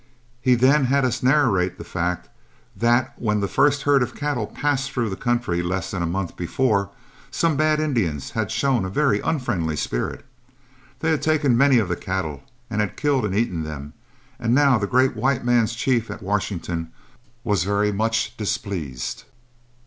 He then had us narrate the fact that when the first herd of cattle passed through the country less than a month before, some bad Indians had shown a very unfriendly spirit. They had taken many of the cattle and had killed and eaten them, and now the great white man's chief at Washington was very much displeased.